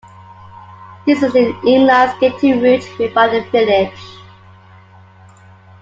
This is an inline skating route made by the village.